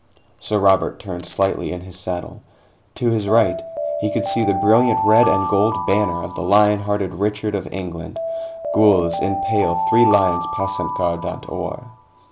Sir Robert turned slightly in his saddle. To his right, he could see the brilliant red and gold banner of the lion hearted Richard of England gules, in pale three lions passant guardant or.